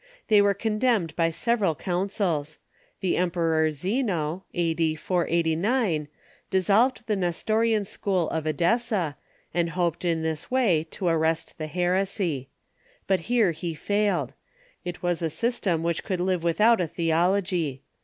They were condemned by several coun cils. The Emperor Zeno (a.d. 489) dissolved the Nestorian school of Edessa, and hoped in this way to arrest the heresy. But here he failed. It was a system which could live without a theology.